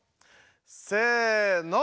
せの！